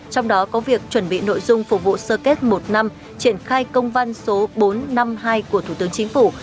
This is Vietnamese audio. trong đó có việc chuẩn bị nội dung phục vụ sơ kết một năm triển khai công văn số bốn trăm năm mươi hai của thủ tướng chính phủ